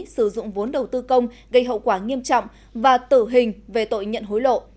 sử dụng vốn đầu tư công gây hậu quả nghiêm trọng và tử hình về tội nhận hối lộ